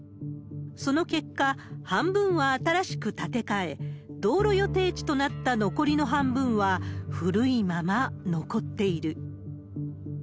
その結果、半分は新しく建て替え、道路予定地となった残りの半分は古いまま残っている。